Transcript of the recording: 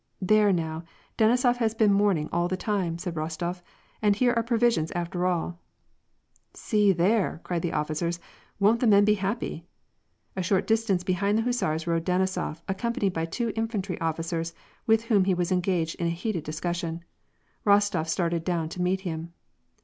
" There now, Denisof has been mourning all the time," said Rostof, " and here are provisions after all !"" See there !" cried the officers. " Won't the men be happy !" A short distance behind the hussars rode Denisof, accom panied by two infantry officers, with whom he was engaged in a heated discussion. Rostof started down to meet him.